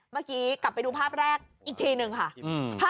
เมื่อกี้กลับไปดูภาพแรกอีกทีหนึ่งค่ะอืม